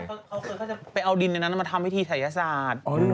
เขาจะไปเอาดินในนั้นมาทำพิธีศัยศาสตร์